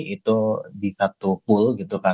itu di satu pool gitu kan